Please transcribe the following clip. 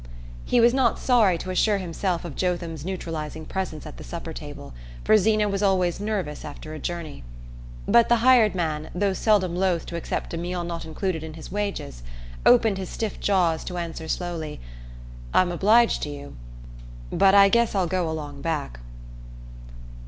He was not sorry to assure himself of Jotham's neutralising presence at the supper table, for Zeena was always "nervous" after a journey. But the hired man, though seldom loth to accept a meal not included in his wages, opened his stiff jaws to answer slowly: "I'm obliged to you, but I guess I'll go along back."